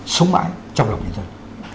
sống mãi trong lòng nhân dân